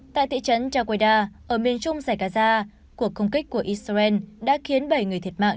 tại thị trấn chagueda ở miền trung zagaza cuộc công kích của israel đã khiến bảy người thiệt mạng